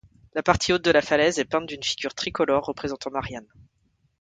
La partie haute de la falaise est peinte d'une figure tricolore représentant Marianne.